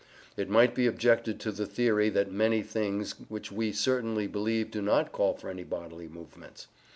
It might be objected to the theory that many things which we certainly believe do not call for any bodily movements.